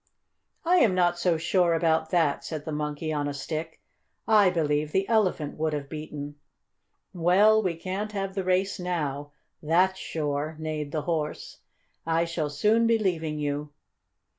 "I am not so sure about that," said the Monkey on a Stick. "I believe the Elephant would have beaten." "Well, we can't have the race now, that's sure," neighed the Horse. "I shall soon be leaving you."